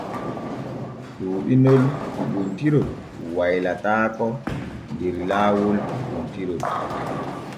Ɗuuɗinol piɓontirol waylataako der laawol piɓontirol.